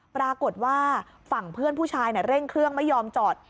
ปรากฏว่าฝั่งเพื่อนผู้ชายเร่งเครื่องไม่ยอมจอด